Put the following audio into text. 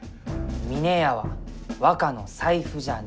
「峰屋は若の財布じゃない」。